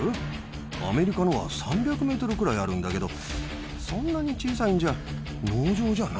アメリカのは３００ｍくらいあるんだけどそんなに小さいんじゃ。